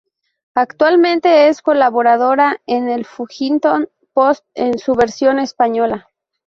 Actualmente es colaboradora de El Huffington Post en su versión española.